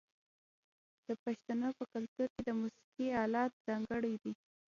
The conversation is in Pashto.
د پښتنو په کلتور کې د موسیقۍ الات ځانګړي دي.